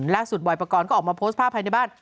บอยปกรณ์ก็ออกมาโพสต์ภาพภายในบ้าน